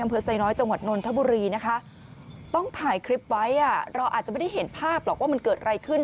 ไซน้อยจังหวัดนนทบุรีนะคะต้องถ่ายคลิปไว้อ่ะเราอาจจะไม่ได้เห็นภาพหรอกว่ามันเกิดอะไรขึ้น